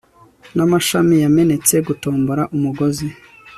n'amashami yamenetse, gutombora umugozi